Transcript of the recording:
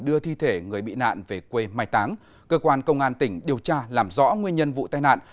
đưa thi thể người bị nạn về quê mai táng cơ quan công an tỉnh điều tra làm rõ nguyên nhân vụ tai nạn